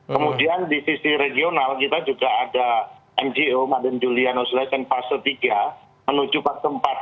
kemudian di sisi regional kita juga ada ngo maden juliano slecen fase tiga menuju pas tempat